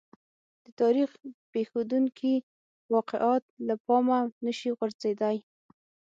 د تاریخ پېښېدونکي واقعات له پامه نه شي غورځېدای.